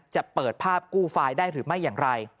จะเปิดภาพกู้ไฟล์ได้หรือไม่อย่างไร